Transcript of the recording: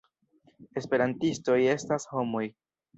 Esperantistoj estas homoj.